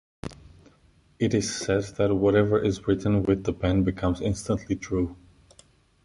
It is said that whatever is written with the pen becomes instantly true.